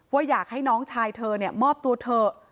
ว่าอยากให้น้องชายเธอมอบตัวเถอะ